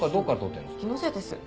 気のせいです。